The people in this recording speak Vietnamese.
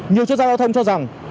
nhiều chuyên gia giao thông cho rằng